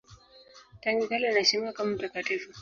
Tangu kale anaheshimiwa kama mtakatifu.